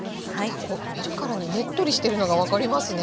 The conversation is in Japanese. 見るからにねっとりしてるのが分かりますね。